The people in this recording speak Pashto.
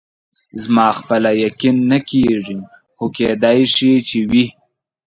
زما خپله یقین نه کېږي، خو کېدای شي چې وي.